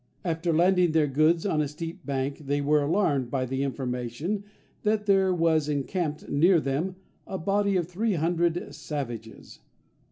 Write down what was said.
After landing their goods on a steep bank, they were alarmed by the information that there was encamped near them a body of three hundred savages.